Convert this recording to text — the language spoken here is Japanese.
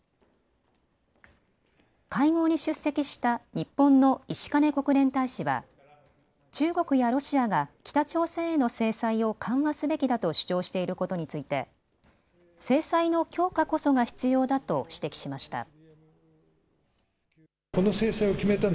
会合に出席した日本の石兼国連大使は中国やロシアが北朝鮮への制裁を緩和すべきだと主張していることについて制裁の強化こそが必要だと指摘しました。